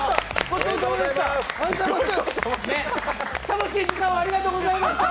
楽しい時間をありがとうございました。